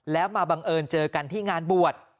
แล้วมาบังเอิญเจอกันที่งานบวช